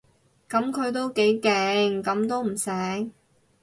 噉佢都幾勁，噉都唔醒